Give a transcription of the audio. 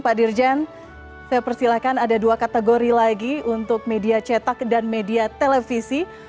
pak dirjen saya persilahkan ada dua kategori lagi untuk media cetak dan media televisi